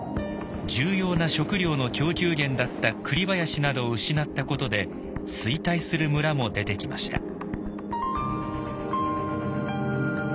重要な食料の供給源だったクリ林などを失ったことで衰退する村も出てきました。